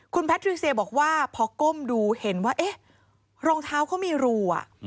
คุณแพทริเซียบอกว่าพอก้มดูเห็นว่าเอ๊ะรองเท้าเขามีรู